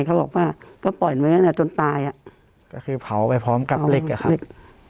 เขาบอกว่าก็ปล่อยไว้เนี้ยจนตายอ่ะก็คือเผาไปพร้อมกับเล็กอ่ะครับ